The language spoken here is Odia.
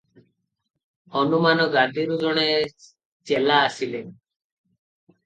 ହନୁମାନ ଗାଦିରୁ ଜଣେ ଚେଲା ଆସିଲେ ।